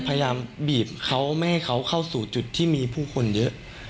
พยายามบีบเขาไม่ให้เขาเข้าสู่จุดที่มีผู้คนเยอะ